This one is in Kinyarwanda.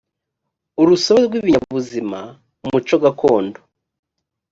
urusobe rw ibinyabuzima umuco gakondo